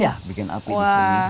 iya bikin api di sini